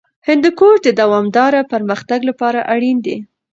هندوکش د دوامداره پرمختګ لپاره اړین دی.